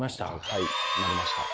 はいなりました。